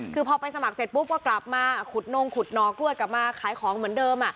คือพอไปสมัครเสร็จปุ๊บก็กลับมาขุดนงขุดหน่อกล้วยกลับมาขายของเหมือนเดิม